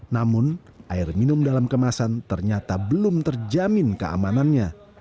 namun air minum dalam kemasan ternyata belum terjamin keamanannya